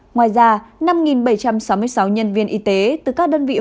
ngoài ra năm bảy trăm sáu mươi sáu nhân viên y tế từ các đơn vị